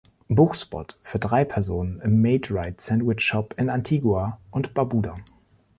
Buchspot für drei Personen im Maid-Rite Sandwich Shop in Antigua und Barbuda